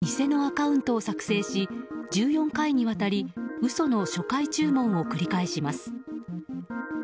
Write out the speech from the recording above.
その際出前館の偽のアカウントを作成し１４回にわたり嘘の初回注文を繰り返します。